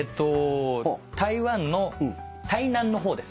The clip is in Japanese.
台湾の台南の方です。